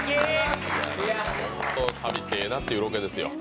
本当に旅ってええなっていうロケですよ。